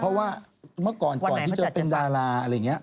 เพราะว่าเมื่อก่อนก่อนที่จะเป็นดาราอะไรอย่างนี้